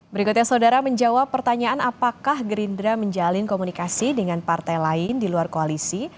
berikutnya saudara menjawab pertanyaan apakah gerindra menjalin komunikasi dengan partai lain di luar koalisi